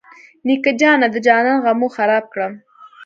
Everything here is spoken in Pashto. نیکه جانه د جانان غمو خراب کړم.